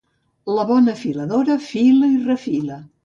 La bona filadora fila i refila.